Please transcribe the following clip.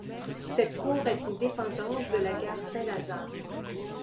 Cette cour est une dépendance de la gare Saint-Lazare.